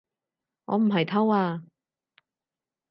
我唔係偷啊